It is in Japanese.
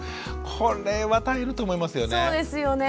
これは大変だと思いますよね。